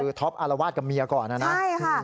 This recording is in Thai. คือท็อปอารวาสกับเมียก่อนนะนะ